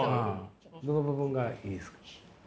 どの部分がいいですか？